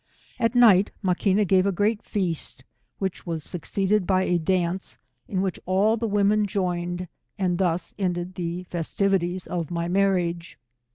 At night Ma quina gave a great feast, which was succeeded by a dance, in which all the women joined, and thus ended the festivities of my marriage.